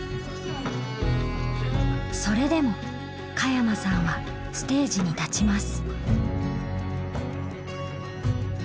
それでも加山さんはステージに立ちます。